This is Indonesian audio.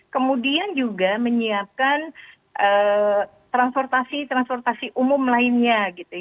kemudian juga menyiapkan transportasi transportasi umum lainnya